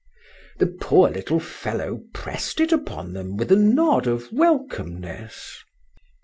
—The poor little fellow pressed it upon them with a nod of welcomeness.